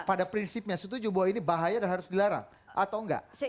pada prinsipnya setuju bahwa ini bahaya dan harus dilarang atau enggak